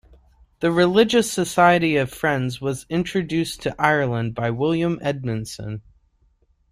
The Religious Society of Friends was introduced to Ireland by William Edmundson.